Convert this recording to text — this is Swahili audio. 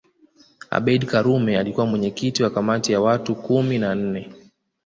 Abeid Karume alikuwa mwenyekiti wa kamati ya watu kumi na nne